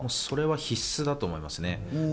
それは必須だと思います。